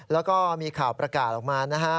แล้วก็มีข่าวประกาศออกมานะฮะ